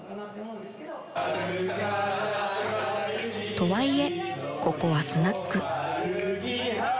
とはいえここはスナック］